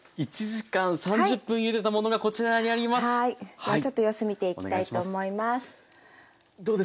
ではちょっと様子見ていきたいと思います。